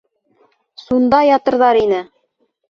- Сунда ятырҙар ине.